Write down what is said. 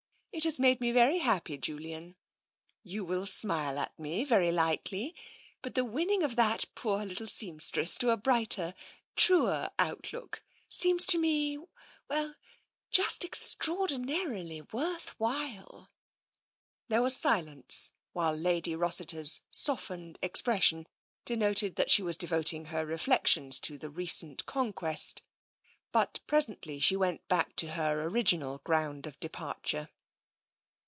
It has made me very happy, Julian. You will smile at me, very likely, but the winning of that poor little seamstress to a brighter, truer outlook seems to me — well, just extraordinarily worth while." There was silence, while Lady Rossiter's softened expression denoted that she was devoting her reflec tions to the recent conquest. But presently she went back to her original ground of departure.